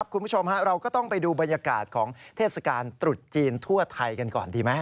คุณผู้ชมเราก็ต้องไปดูบรรยากาศของเทศกาลตรุษจีนทั่วไทยกันก่อนดีไหม